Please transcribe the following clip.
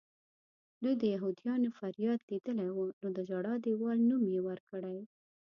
دوی د یهودیانو فریاد لیدلی و نو د ژړا دیوال نوم یې ورکړی.